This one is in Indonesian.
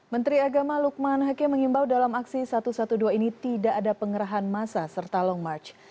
menteri agama lukman hakim mengimbau dalam aksi satu ratus dua belas ini tidak ada pengerahan masa serta long march